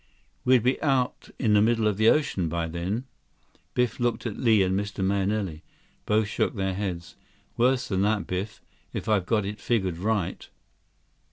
"We'd be out in the middle of the ocean by then." Biff looked at Li and Mr. Mahenili. Both shook their heads. "Worse than that, Biff, if I've got it figured right."